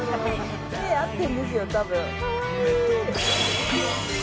目合ってるんですよ、多分。